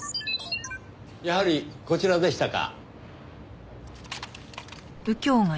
やはりこちらでしたか。